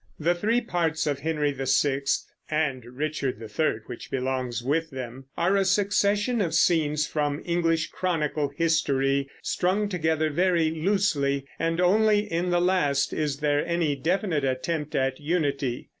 The three parts of Henry VI (and Richard III, which belongs with them) are a succession of scenes from English Chronicle history strung together very loosely; and only in the last is there any definite attempt at unity.